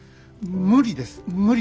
無理です無理。